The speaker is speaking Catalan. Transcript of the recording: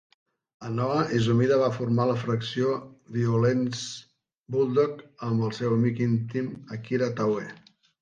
A Noah, Izumida va formar la facció Violence Bulldog amb el seu amic íntim, Akira Taue.